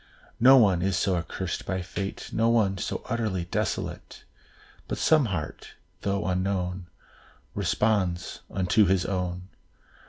No one is so accursed by fate, No one so utterly desolate, But some heart, though unknown, Responds unto his own.